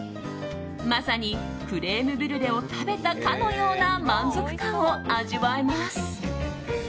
まさにクレームブリュレを食べたかのような満足感を味わえます。